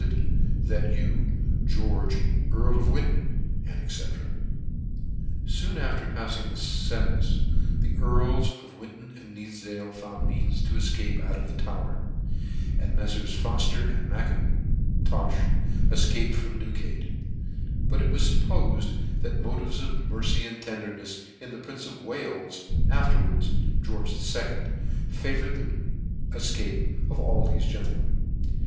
{f That you George Earl ofWinton, &c." Soon JOHN GORDON, &c. for Higl Treafen. 20 $ Soon after the pafTing this fentence, the earls of Wincon and Nithifdale found means to efcape out of the Tower ; and Meff. Fofter and M'Intofh efcaped from Newgate ; but it /was firppofed that motives of mercy and tendernefs in the prince of Wales, afterwards George the Second, favoured the efcape of all thefe gentlemen.